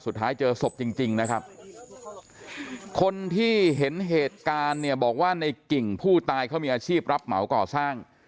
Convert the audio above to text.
เจอศพจริงนะครับคนที่เห็นเหตุการณ์เนี่ยบอกว่าในกิ่งผู้ตายเขามีอาชีพรับเหมาก่อสร้าง